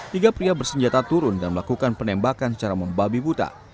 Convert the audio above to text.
tiga pria bersenjata turun dan melakukan penembakan secara membabi buta